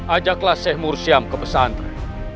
ajaklah syekh murus yang ke pesantren